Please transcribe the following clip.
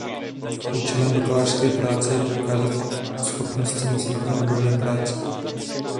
Účelem bakalářské práce je prokázat schopnost samostatné odborné práce.